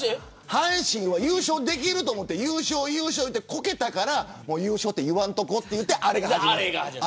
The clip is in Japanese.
阪神は優勝できると思って優勝、優勝と言って、こけたから優勝って言わないでおこうということでアレが始まった。